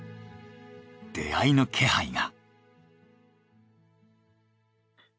出会いの気配が。